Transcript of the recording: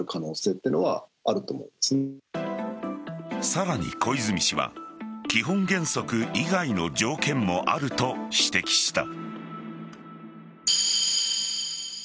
さらに小泉氏は基本原則以外の条件もあると指摘した。